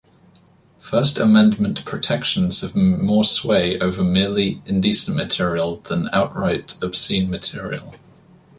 First Amendment protections have more sway over merely indecent material than outright obscene material.